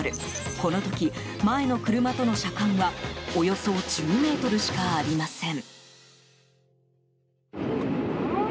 この時、前の車との車間はおよそ１０ｍしかありません。